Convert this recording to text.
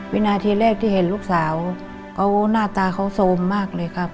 วินาทีแรกที่เห็นลูกสาวเขาหน้าตาเขาโซมมากเลยครับ